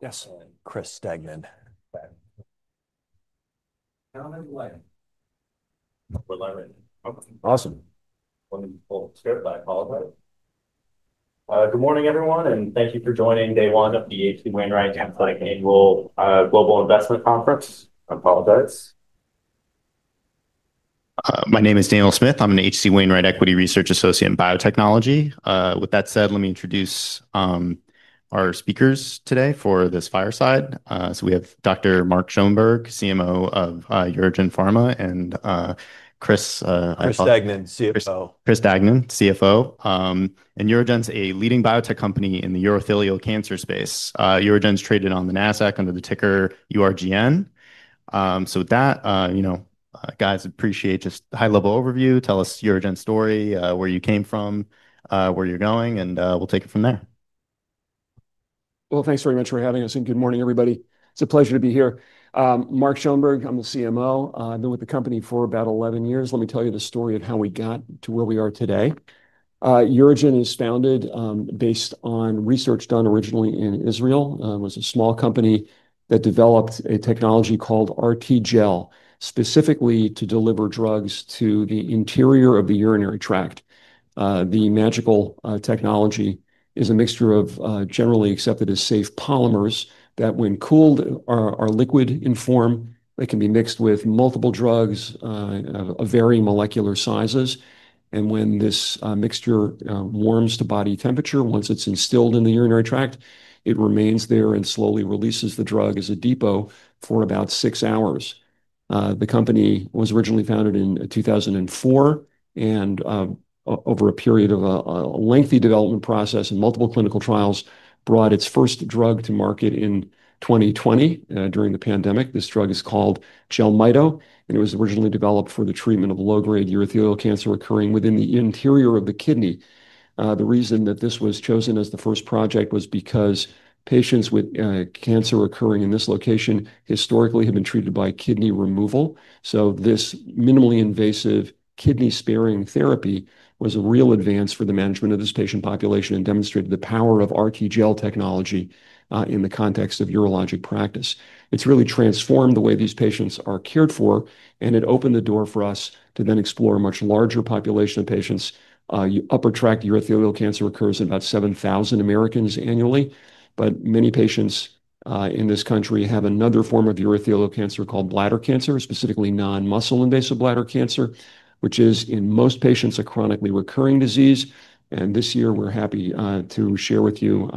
Yes, Christopher Degnan. Now I'm in. With my written. Awesome. Let me pull up, scared by a call. Good morning, everyone, and thank you for joining day one of the H.C. Wainwright & Co. Annual Global Investment Conference. My name is Daniel Smith. I'm an H.C. Wainwright Equity Research Associate in Biotechnology. With that said, let me introduce our speakers today for this fireside. We have Dr. Mark Schoenberg, CMO of UroGen Pharma Ltd., and Chris. Degnan, Chief Financial Officer. Chris Degnan, CFO. UroGen is a leading biotech company in the urothelial cancer space. UroGen is traded on the NASDAQ under the ticker URGN. I appreciate just a high-level overview. Tell us your UroGen story, where you came from, where you're going, and we'll take it from there. Thank you very much for having us, and good morning, everybody. It's a pleasure to be here. Mark Schoenberg, I'm the Chief Medical Officer. I've been with the company for about 11 years. Let me tell you the story of how we got to where we are today. UroGen Pharma Ltd. is founded based on research done originally in Israel. It was a small company that developed a technology called RTGel, specifically to deliver drugs to the interior of the urinary tract. The magical technology is a mixture of generally accepted as safe polymers that, when cooled or liquid in form, can be mixed with multiple drugs of varying molecular sizes. When this mixture warms to body temperature, once it's instilled in the urinary tract, it remains there and slowly releases the drug as a depot for about six hours. The company was originally founded in 2004 and, over a period of a lengthy development process and multiple clinical trials, brought its first drug to market in 2020 during the pandemic. This drug is called Jelmyto (mitomycin) for pyelocaliceal solution, and it was originally developed for the treatment of low-grade urothelial cancer occurring within the interior of the kidney. The reason that this was chosen as the first project was because patients with cancer occurring in this location historically have been treated by kidney removal. This minimally invasive kidney-sparing therapy was a real advance for the management of this patient population and demonstrated the power of RTGel technology in the context of urologic practice. It has really transformed the way these patients are cared for, and it opened the door for us to then explore a much larger population of patients. Upper tract urothelial cancer occurs in about 7,000 Americans annually, but many patients in this country have another form of urothelial cancer called bladder cancer, specifically non-muscle invasive bladder cancer, which is, in most patients, a chronically recurring disease. This year, we're happy to share with you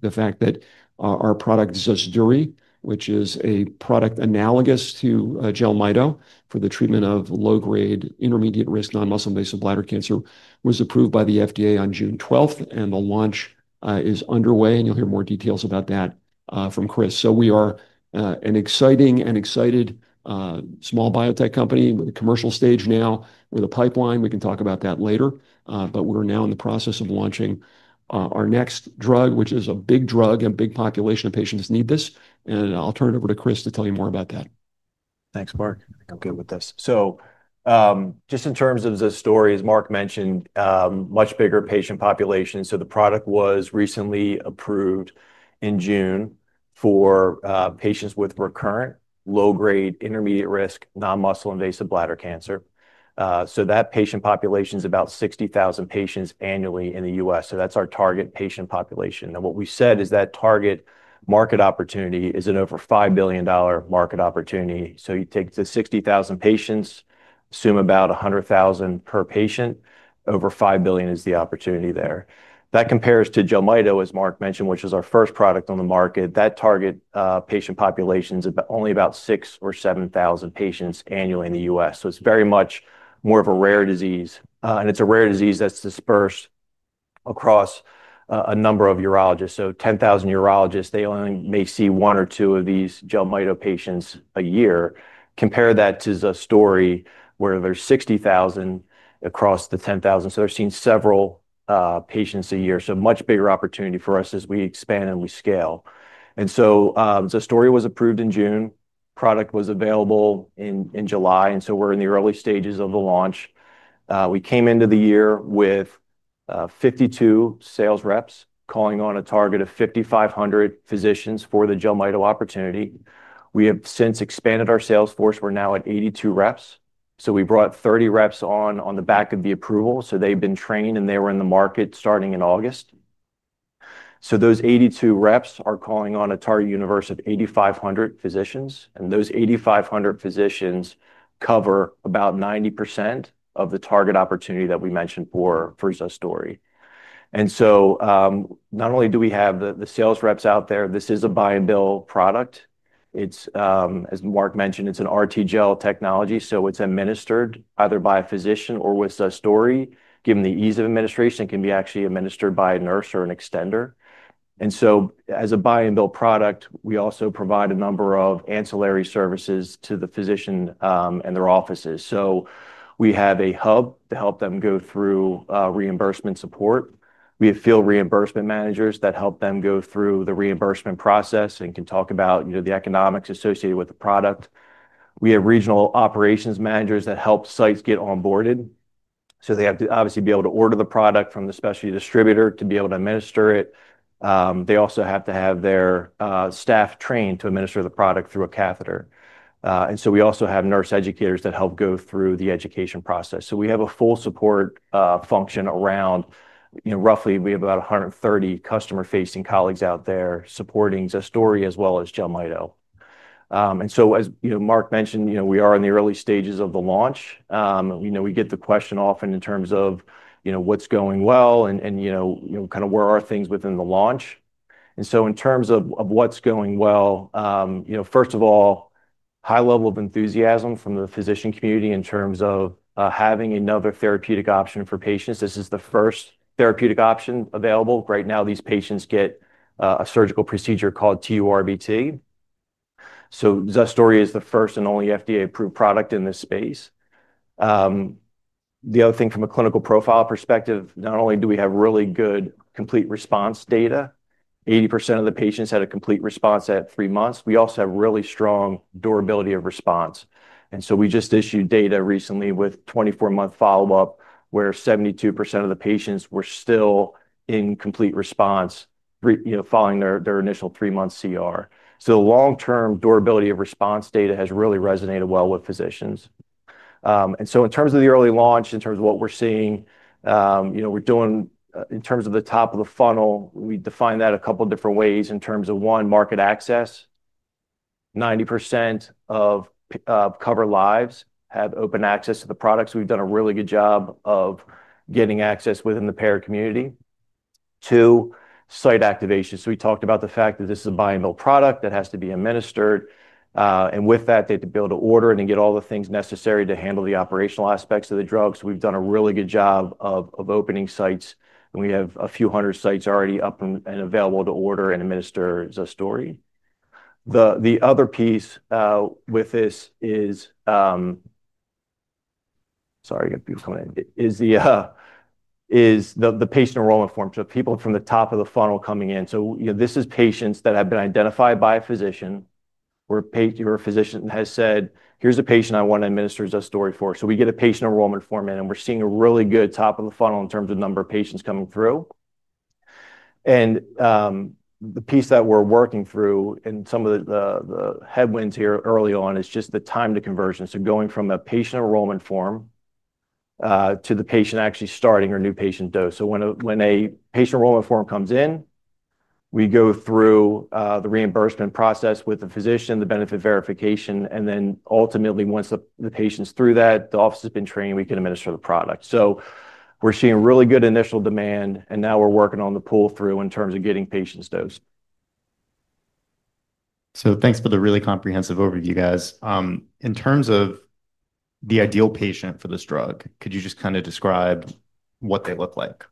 the fact that our product, Zosduri (UGN-102, mitomycin for intravesical solution), which is a product analogous to Jelmyto (mitomycin) for pyelocaliceal solution for the treatment of low-grade intermediate risk non-muscle invasive bladder cancer, was approved by the FDA on June 12, and the launch is underway. You will hear more details about that from Chris. We are an exciting and excited small biotech company with a commercial stage now with a pipeline. We can talk about that later, but we are now in the process of launching our next drug, which is a big drug and a big population of patients need this. I'll turn it over to Chris to tell you more about that. Thanks, Mark. I'm good with this. Just in terms of the story, as Mark mentioned, much bigger patient population. The product was recently approved in June for patients with recurrent low-grade intermediate risk non-muscle invasive bladder cancer. That patient population is about 60,000 patients annually in the U.S. That's our target patient population. What we said is that target market opportunity is an over $5 billion market opportunity. You take the 60,000 patients, assume about $100,000 per patient, over $5 billion is the opportunity there. That compares to Jelmyto, as Mark mentioned, which is our first product on the market. That target patient population is only about 6,000 or 7,000 patients annually in the U.S. It's very much more of a rare disease, and it's a rare disease that's dispersed across a number of urologists. 10,000 urologists, they only may see one or two of these Jelmyto patients a year. Compare that to the story where there's 60,000 across the 10,000. They're seeing several patients a year. A much bigger opportunity for us as we expand and we scale. The story was approved in June. Product was available in July. We're in the early stages of the launch. We came into the year with 52 sales reps calling on a target of 5,500 physicians for the Jelmyto opportunity. We have since expanded our sales force. We're now at 82 reps. We brought 30 reps on on the back of the approval. They've been trained and they were in the market starting in August. Those 82 reps are calling on a target universe of 8,500 physicians. Those 8,500 physicians cover about 90% of the target opportunity that we mentioned for Zosduri. Not only do we have the sales reps out there, this is a buy-and-bill product. As Mark mentioned, it's an RTGel technology. It's administered either by a physician or with Zosduri. Given the ease of administration, it can be actually administered by a nurse or an extender. As a buy-and-bill product, we also provide a number of ancillary services to the physician and their offices. We have a hub to help them go through reimbursement support. We have field reimbursement managers that help them go through the reimbursement process and can talk about the economics associated with the product. We have regional operations managers that help sites get onboarded. They have to obviously be able to order the product from the specialty distributor to be able to administer it. They also have to have their staff trained to administer the product through a catheter. We also have nurse educators that help go through the education process. We have a full support function around, you know, roughly we have about 130 customer-facing colleagues out there supporting Zosduri as well as Jelmyto. As Mark mentioned, we are in the early stages of the launch. We get the question often in terms of what's going well and kind of where are things within the launch. In terms of what's going well, first of all, a high level of enthusiasm from the physician community in terms of having another therapeutic option for patients. This is the first therapeutic option available. Right now, these patients get a surgical procedure called TURBT. Zosduri is the first and only FDA-approved product in this space. The other thing from a clinical profile perspective, not only do we have really good complete response data, 80% of the patients had a complete response at three months. We also have really strong durability of response. We just issued data recently with 24-month follow-up where 72% of the patients were still in complete response following their initial three-month CR. Long-term durability of response data has really resonated well with physicians. In terms of the early launch, in terms of what we're seeing, we're doing in terms of the top of the funnel. We define that a couple of different ways in terms of, one, market access. 90% of covered lives have open access to the products. We've done a really good job of getting access within the parent community. Two, site activation. We talked about the fact that this is a buy-and-bill product that has to be administered. With that, they have to be able to order and then get all the things necessary to handle the operational aspects of the drug. We've done a really good job of opening sites. We have a few hundred sites already up and available to order and administer Zosduri. The other piece with this is the patient enrollment form. People from the top of the funnel coming in. This is patients that have been identified by a physician where a physician has said, "Here's a patient I want to administer Zosduri for." We get a patient enrollment form in, and we're seeing a really good top of the funnel in terms of the number of patients coming through. The piece that we're working through and some of the headwinds here early on is just the time to conversion, going from a patient enrollment form to the patient actually starting a new patient dose. When a patient enrollment form comes in, we go through the reimbursement process with the physician, the benefit verification, and then ultimately, once the patient's through that, the office has been trained, we can administer the product. We're seeing really good initial demand, and now we're working on the pull-through in terms of getting patients dosed. Thanks for the really comprehensive overview, guys. In terms of the ideal patient for this drug, could you just kind of describe what they look like?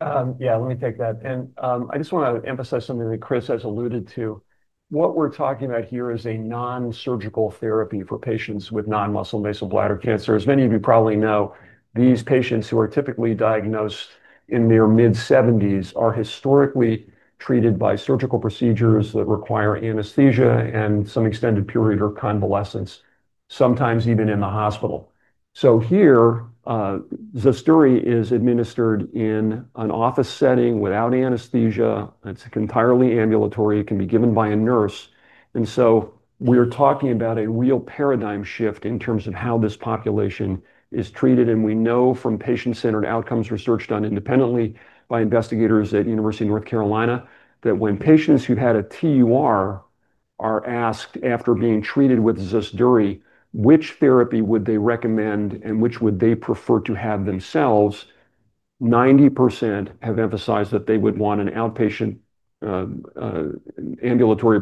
Let me take that. I just want to emphasize something that Chris has alluded to. What we're talking about here is a non-surgical therapy for patients with non-muscle invasive bladder cancer. As many of you probably know, these patients who are typically diagnosed in their mid-70s are historically treated by surgical procedures that require anesthesia and some extended period of convalescence, sometimes even in the hospital. Here, Zosduri is administered in an office setting without anesthesia. It's entirely ambulatory. It can be given by a nurse. We're talking about a real paradigm shift in terms of how this population is treated. We know from patient-centered outcomes research done independently by investigators at the University of North Carolina that when patients who had a TUR are asked after being treated with Zosduri which therapy they would recommend and which they would prefer to have themselves, 90% have emphasized that they would want an outpatient ambulatory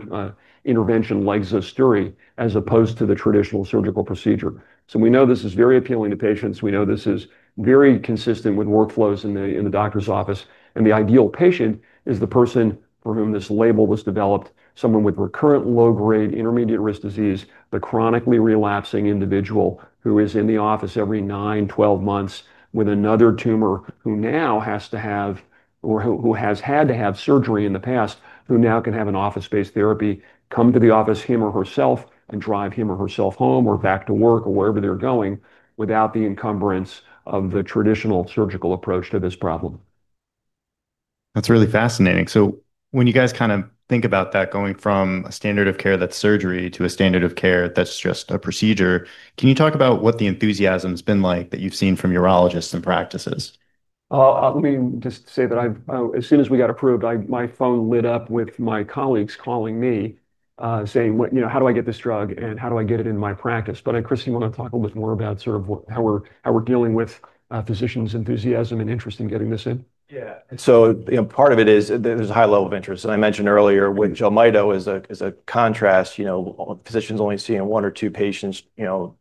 intervention like Zosduri as opposed to the traditional surgical procedure. We know this is very appealing to patients. We know this is very consistent with workflows in the doctor's office. The ideal patient is the person for whom this label was developed, someone with recurrent low-grade intermediate risk disease, the chronically relapsing individual who is in the office every 9 to 12 months with another tumor who now has to have, or who has had to have surgery in the past, who now can have an office-based therapy, come to the office him or herself, and drive him or herself home or back to work or wherever they're going without the encumbrance of the traditional surgical approach to this problem. That's really fascinating. When you guys kind of think about that, going from a standard of care that's surgery to a standard of care that's just a procedure, can you talk about what the enthusiasm has been like that you've seen from urologists and practices? Let me just say that as soon as we got approved, my phone lit up with my colleagues calling me, saying, you know, how do I get this drug and how do I get it in my practice? Chris, do you want to talk a little bit more about sort of how we're dealing with physicians' enthusiasm and interest in getting this in? Yeah. Part of it is there's a high level of interest. I mentioned earlier with Jelmyto as a contrast. Physicians are only seeing one or two patients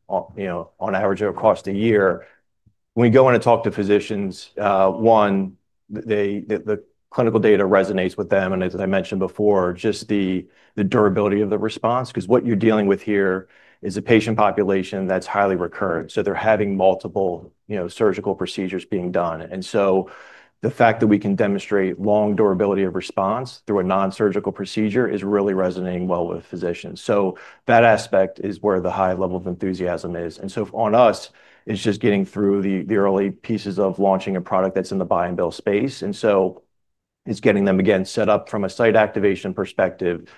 on average across the year. When we go in and talk to physicians, one, the clinical data resonates with them. As I mentioned before, just the durability of the response, because what you're dealing with here is a patient population that's highly recurrent. They're having multiple surgical procedures being done. The fact that we can demonstrate long durability of response through a non-surgical procedure is really resonating well with physicians. That aspect is where the high level of enthusiasm is. For us, it's just getting through the early pieces of launching a product that's in the buy-and-bill space. It's getting them set up from a site activation perspective,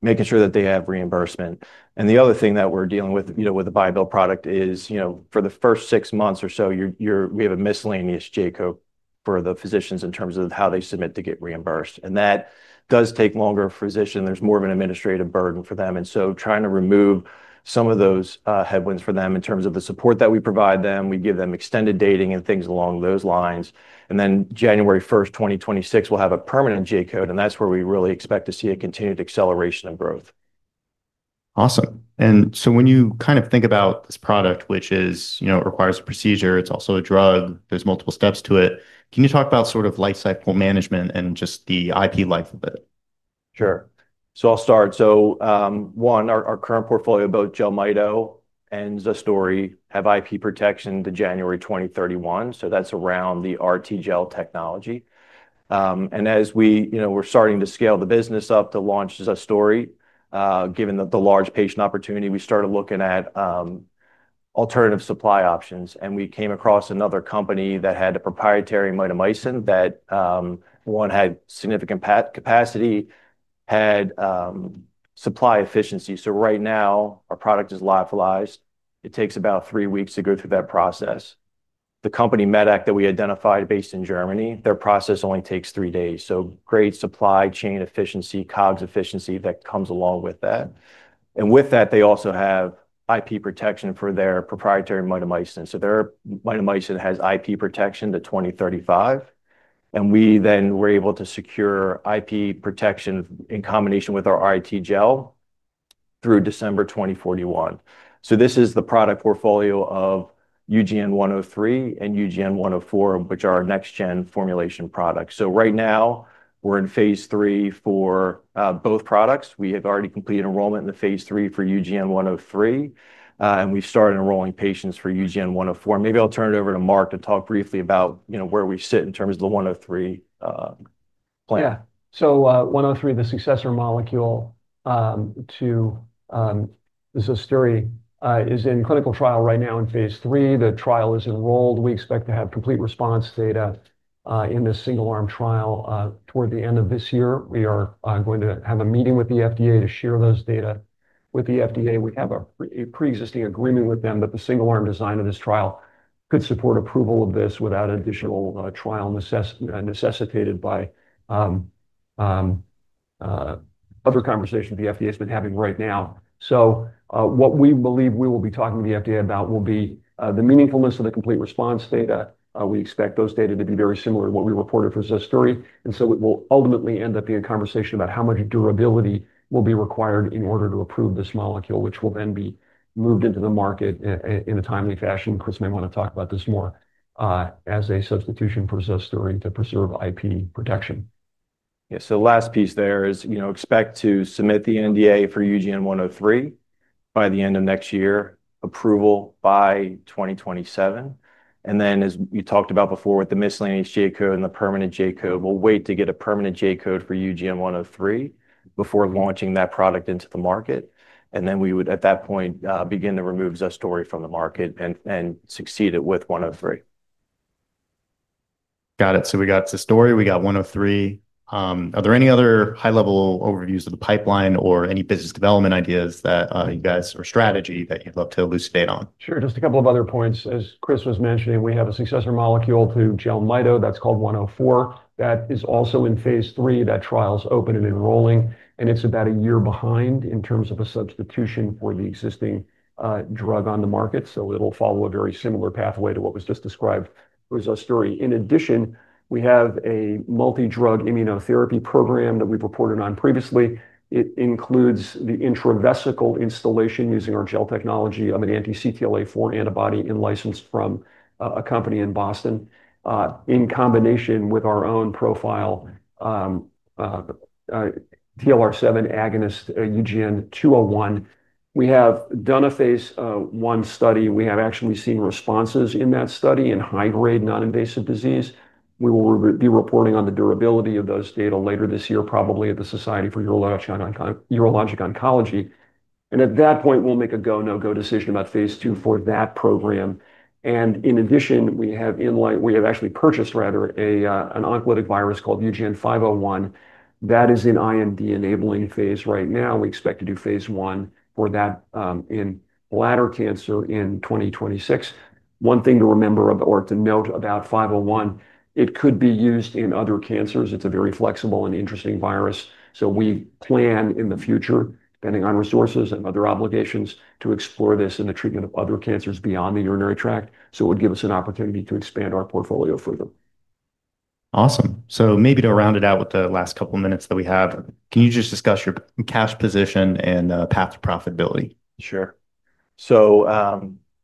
making sure that they have reimbursement. The other thing that we're dealing with with the buy-and-bill product is, for the first six months or so, we have a miscellaneous J code for the physicians in terms of how they submit to get reimbursed. That does take longer for physicians. There's more of an administrative burden for them. Trying to remove some of those headwinds for them in terms of the support that we provide them, we give them extended dating and things along those lines. January 1, 2026, we'll have a permanent J code, and that's where we really expect to see a continued acceleration of growth. Awesome. When you kind of think about this product, which is, you know, it requires a procedure, it's also a drug, there's multiple steps to it. Can you talk about sort of lifecycle management and just the IP life of it? Sure. I'll start. One, our current portfolio, both Jelmyto and Zosduri have IP protection to January 2031. That's around the RTGel technology. As we were starting to scale the business up to launch Zosduri, given the large patient opportunity, we started looking at alternative supply options. We came across another company that had a proprietary mitomycin that, one, had significant capacity, had supply efficiency. Right now, our product is live for lives. It takes about three weeks to go through that process. The company, Medac, that we identified based in Germany, their process only takes three days. Great supply chain efficiency, COGS efficiency that comes along with that. With that, they also have IP protection for their proprietary mitomycin. Their mitomycin has IP protection to 2035. We then were able to secure IP protection in combination with our RTGel through December 2041. This is the product portfolio of UGN-103 and UGN-104, which are our next-gen formulation products. Right now, we're in phase 3 for both products. We have already completed enrollment in the phase 3 for UGN-103, and we've started enrolling patients for UGN-104. Maybe I'll turn it over to Mark to talk briefly about where we sit in terms of the 103 plan. Yeah. UGN-103, the successor molecule to Zosduri, is in clinical trial right now in phase 3. The trial is enrolled. We expect to have complete response data in this single-arm trial toward the end of this year. We are going to have a meeting with the FDA to share those data with the FDA. We have a pre-existing agreement with them that the single-arm design of this trial could support approval of this without an additional trial necessitated by other conversations the FDA has been having right now. What we believe we will be talking to the FDA about will be the meaningfulness of the complete response data. We expect those data to be very similar to what we reported for Zosduri. It will ultimately end up being a conversation about how much durability will be required in order to approve this molecule, which will then be moved into the market in a timely fashion. Chris may want to talk about this more as a substitution for Zosduri to preserve IP protection. Yeah. The last piece there is, you know, expect to submit the NDA for UGN-103 by the end of next year, approval by 2027. As we talked about before with the miscellaneous JCO and the permanent JCO, we'll wait to get a permanent JCO for UGN-103 before launching that product into the market. We would, at that point, begin to remove Zosduri from the market and succeed it with 103. Got it. We got Zosduri, we got 103. Are there any other high-level overviews of the pipeline or any business development ideas that you guys or strategy that you'd love to elucidate on? Sure. Just a couple of other points. As Chris was mentioning, we have a successor molecule to Jelmyto that's called UGN-104 that is also in phase 3, that trial's open and enrolling. It's about a year behind in terms of a substitution for the existing drug on the market. It will follow a very similar pathway to what was just described for Zosduri. In addition, we have a multi-drug immunotherapy program that we've reported on previously. It includes the intravesical instillation using our gel technology. I'm an anti-CTLA-4 antibody and licensed from a company in Boston. In combination with our own profile TLR7 agonist UGN-201, we have done a phase 1 study. We have actually seen responses in that study in high-grade non-muscle invasive disease. We will be reporting on the durability of those data later this year, probably at the Society for Urologic Oncology. At that point, we'll make a go/no-go decision about phase 2 for that program. In addition, we have actually purchased an oncolytic virus called UGN-501. That is in IND enabling phase right now. We expect to do phase 1 for that in bladder cancer in 2026. One thing to remember or to note about UGN-501, it could be used in other cancers. It's a very flexible and interesting virus. We plan in the future, depending on resources and other obligations, to explore this in the treatment of other cancers beyond the urinary tract. It would give us an opportunity to expand our portfolio further. Awesome. Maybe to round it out with the last couple of minutes that we have, can you just discuss your cash position and path to profitability?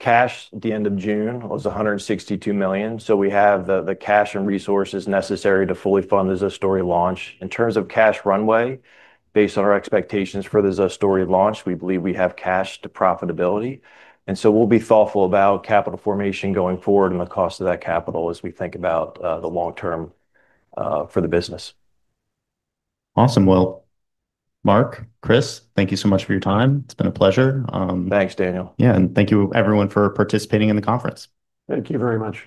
Cash at the end of June was $162 million. We have the cash and resources necessary to fully fund the Zosduri launch. In terms of cash runway, based on our expectations for the Zosduri launch, we believe we have cash to profitability. We'll be thoughtful about capital formation going forward and the cost of that capital as we think about the long term for the business. Awesome. Mark, Chris, thank you so much for your time. It's been a pleasure. Thanks, Daniel. Thank you, everyone, for participating in the conference. Thank you very much.